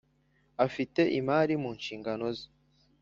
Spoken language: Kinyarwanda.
Afite imari mu nshingano ze